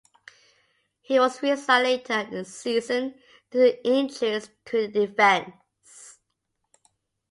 He was re-signed later in the season due to injuries to the defense.